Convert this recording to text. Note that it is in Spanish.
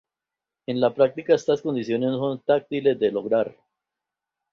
En la práctica, estas condiciones no son fáciles de lograr.